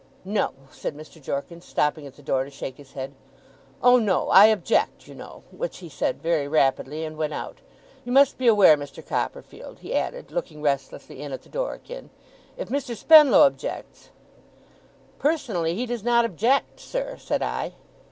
'No!' said Mr. Jorkins, stopping at the door to shake his head. 'Oh, no! I object, you know,' which he said very rapidly, and went out. 'You must be aware, Mr. Copperfield,' he added, looking restlessly in at the door again, 'if Mr. Spenlow objects ' 'Personally, he does not object, sir,' said I.